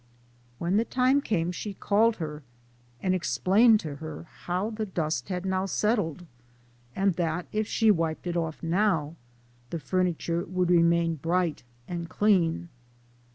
When the time came she called her, and ex plained to her how the dust had now settled, and that if she wiped it off now, the furniture would remain bright and clean.